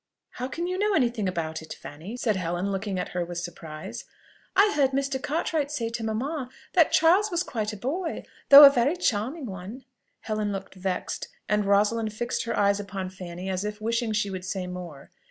"How can you know any thing about it, Fanny?" said Helen, looking at her with surprise. "I heard Mr. Cartwright say to mamma, that Charles was quite a boy, though a very charming one." Helen looked vexed, and Rosalind fixed her eyes upon Fanny as if wishing she would say more.